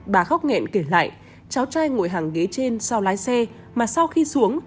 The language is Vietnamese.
bà khóc nghẹn kể lại cháu trai ngồi hàng ghế trên sau lái xe mà sau khi xuống